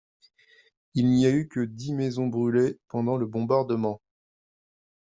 Il n'y a eu que dis maisons brûlées pendant le bombardement.